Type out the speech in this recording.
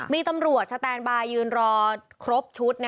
มีตำรวจสแตนบายยืนรอครบชุด